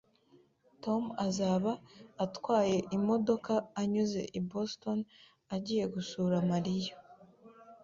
Tom azaba atwaye imodoka anyuze i Boston agiye gusura Mariya